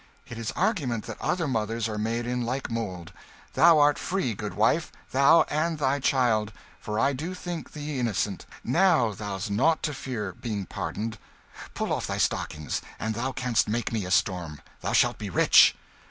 It is argument that other mothers are made in like mould. Thou art free, goodwife thou and thy child for I do think thee innocent. Now thou'st nought to fear, being pardoned pull off thy stockings! an' thou canst make me a storm, thou shalt be rich!"